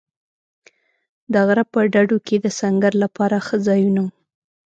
د غره په ډډو کې د سنګر لپاره ښه ځایونه و.